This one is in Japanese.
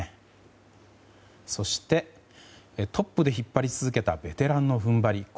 そして、トップで引っ張り続けたベテランの踏ん張り。